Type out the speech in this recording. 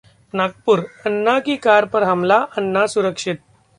नागपुरः अन्ना की कार पर हमला, अन्ना सुरक्षित